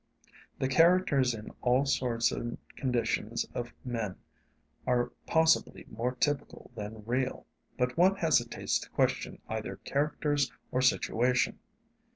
The characters in 'All Sorts and Conditions of Men' are possibly more typical than real, but one hesitates to question either characters or situation.